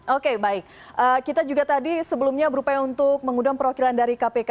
oke baik kita juga tadi sebelumnya berupaya untuk mengundang perwakilan dari kpk